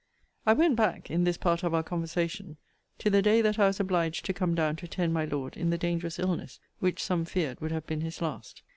I went back, in this part of our conversation, to the day that I was obliged to come down to attend my Lord in the dangerous illness which some feared would have been his last.